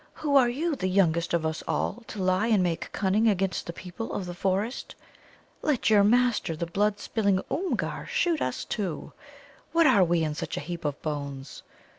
"Who are you, the youngest of us all, to lie and make cunning against the people of the forest? Let your master, the blood spilling Oomgar, shoot us, too. What are we in such a heap of bones?